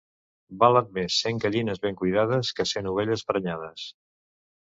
Valen més cent gallines ben cuidades que cent ovelles prenyades.